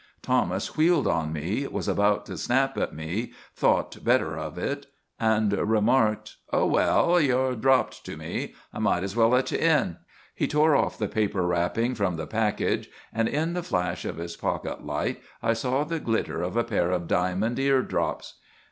Thomas wheeled on me, was about to snap at me, thought better of it, and remarked: "Oh, well, you're dropped to me. I might as well let you in." He tore off the paper wrapping from the package and in the flash of his pocket light I saw the glitter of a pair of diamond ear drops.